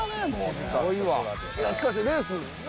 いやしかしレース。